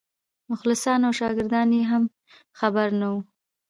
مخلصان او شاګردان یې هم خبر نه وو.